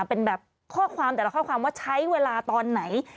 เป็นแบบข้อความแต่ละข้อความว่าใช้เวลาตอนไหน